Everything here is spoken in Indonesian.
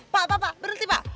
pak pak pak berhenti pak